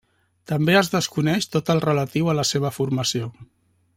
També es desconeix tot el relatiu a la seva formació.